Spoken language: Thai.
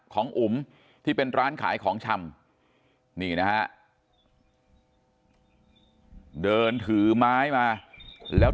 ของอุ๋มที่เป็นร้านขายของชำนี่นะฮะเดินถือไม้มาแล้ว